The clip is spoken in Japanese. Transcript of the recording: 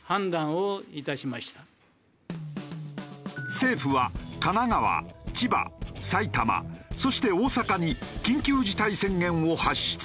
政府は神奈川千葉埼玉そして大阪に緊急事態宣言を発出。